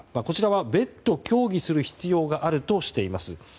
こちらは別途協議する必要があるとしています。